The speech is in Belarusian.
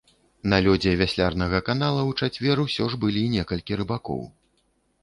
На лёдзе вяслярнага канала ў чацвер усё ж былі некалькі рыбакоў.